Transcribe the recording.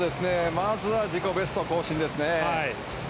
まずは自己ベスト更新ですね。